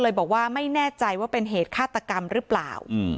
บอกว่าไม่แน่ใจว่าเป็นเหตุฆาตกรรมหรือเปล่า